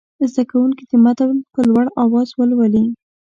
زده کوونکي دې متن په لوړ اواز ولولي.